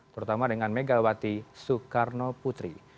terutama dengan megawati soekarno putri